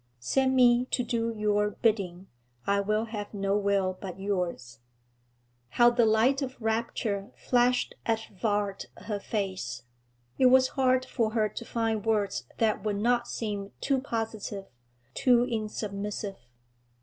Send me to do your bidding; I will have no will but yours.' How the light of rapture flashed athwart her face! It was hard for her to find words that would not seem too positive, too insubmissive.